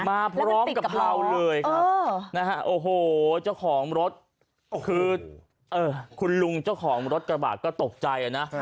มาพร้อมกับเราเลยครับนะฮะโอ้โหเจ้าของรถคือคุณลุงเจ้าของรถกระบะก็ตกใจนะ